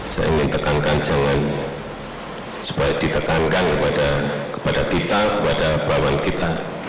saya ingin tekankan jangan supaya ditekankan kepada kita kepada bawan kita